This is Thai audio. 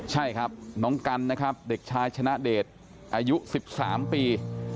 ใช่ครับน้องกันนะครับเด็กชายชนะเดชอายุ๑๓ปี